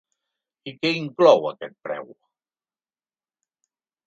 I que inclou aquest preu?